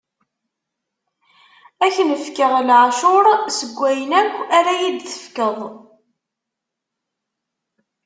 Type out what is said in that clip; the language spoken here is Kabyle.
Ad k-n-fkeɣ leɛcuṛ seg wayen akk ara yi-d-tefkeḍ.